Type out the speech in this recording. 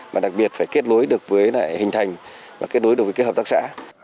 và đặc biệt phải kết nối được với hình thành và kết nối được với các hợp tác xã